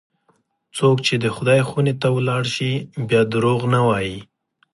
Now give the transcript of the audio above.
څوک چې د خدای خونې ته ولاړ شي، بیا دروغ نه وایي.